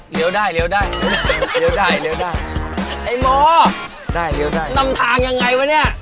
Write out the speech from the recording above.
เลวได้เลวได้